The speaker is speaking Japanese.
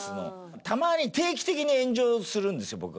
たまに定期的に炎上するんですよ